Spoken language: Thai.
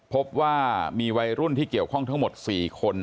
พบว่ามีวัยรุ่นที่เกี่ยวข้องทั้งหมด๔คน